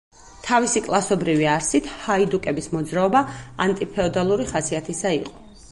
თავისი კლასობრივი არსით ჰაიდუკების მოძრაობა ანტიფეოდალური ხასიათისა იყო.